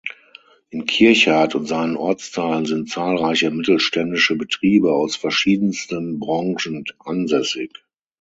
In Kirchardt und seinen Ortsteilen sind zahlreiche mittelständische Betriebe aus verschiedensten Branchen ansässig.